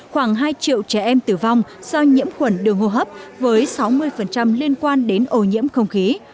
khoảng hai triệu trẻ em tử vong do nhiễm khuẩn đường hô hấp với sáu mươi liên quan đến ô nhiễm không khí